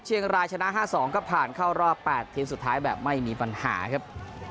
เชียงรายชนะ๕๒ก็ผ่านเข้ารอบ๘ทีมสุดท้ายแบบไม่มีปัญหาครับ